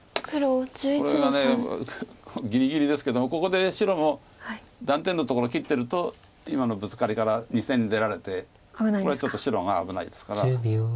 これがぎりぎりですけどもここで白も断点のところ切ってると今のブツカリから２線に出られてこれはちょっと白が危ないですから。